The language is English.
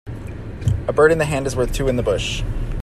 A bird in the hand is worth two in the bush.